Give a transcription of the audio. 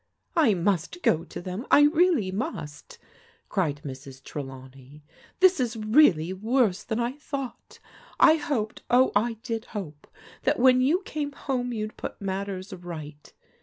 " I must go to them, I really must !" cried Mrs. Tre lawney. " This is really worse than I thought. I hoped, oh, I did hope, that when you came home you'd put mat ters right.